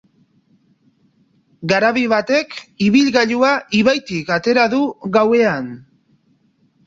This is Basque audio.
Garabi batek ibilgailua ibaitik atera du gauean.